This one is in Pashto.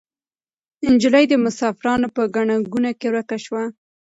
نجلۍ د مسافرانو په ګڼه ګوڼه کې ورکه شوه.